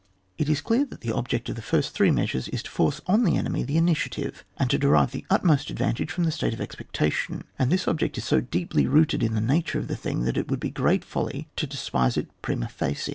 It is clear that the object of the first three measures is to force on the enemy the initiative, and to derive the utmost advantage from the state of expectation, and this object is so deeply rooted in the nature of the thing that it would be great folly to despise it prima facie.